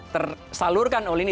tersalurkan oleh ini